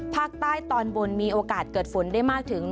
ภาคใต้ตอนบนมีโอกาสเกิดฝนได้มากถึง